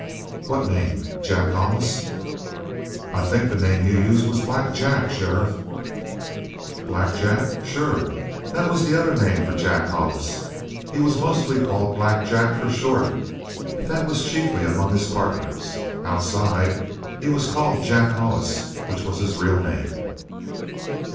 "What name? Jack Hollis?" "I think the name you used was Black Jack, sheriff?" "Black Jack? Sure. That was the other name for Jack Hollis. He was mostly called Black Jack for short, but that was chiefly among his partners. Outside he was called Jack Hollis, which was his real name."